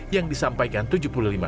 yang disampaikan oleh ketua ong budsman